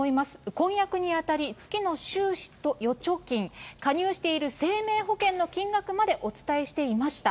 婚約にあたり、月の収支と預貯金、加入している生命保険の金額までお伝えしていました。